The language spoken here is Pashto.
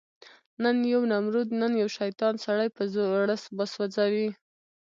نن یو نمرود، نن یو شیطان، سړی په زړه وسوځي